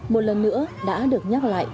một lần nữa đã được nhắc lại